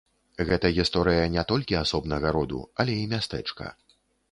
Гэта гісторыя не толькі асобнага роду, але і мястэчка.